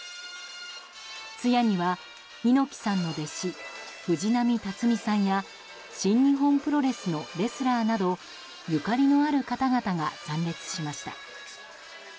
通夜には猪木さんの弟子藤波辰爾さんや新日本プロレスのレスラーなどゆかりのある方々が参列しました。